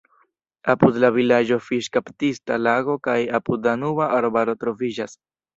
Apud la vilaĝo fiŝkaptista lago kaj apud-Danuba arbaro troviĝas.